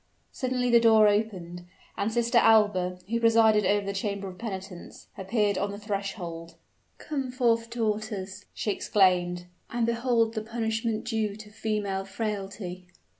Suddenly the door opened, and Sister Alba, who presided over the chamber of penitence, appeared on the threshold. "Come forth, daughters!" she exclaimed; "and behold the punishment due to female frailty."